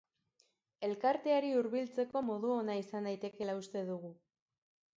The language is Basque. Elkarteari hurbiltzeko modu ona izan daitekeela uste dugu.